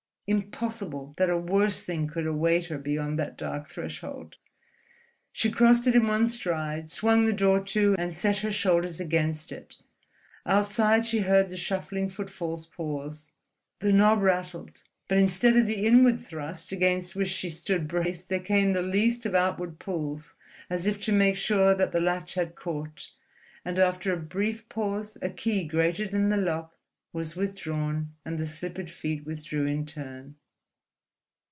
Impossible that a worse thing could await her beyond that dark threshold.... She crossed it in one stride, swung the door to, and set her shoulders against it. Outside she heard the shuffling footfalls pause. The knob rattled. But instead of the inward thrust against which she stood braced, there came the least of outward pulls, as if to make sure that the latch had caught; and after a brief pause a key grated in the lock, was withdrawn, and the slippered feet withdrew in turn.